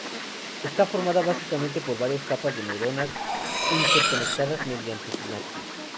Está formada básicamente por varias capas de neuronas interconectadas mediante sinapsis.